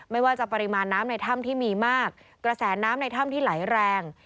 ไม่ว่าจะปริมาณน้ำในถ้ำที่มีมากกระแสน้ำในถ้ำที่ไหลแรง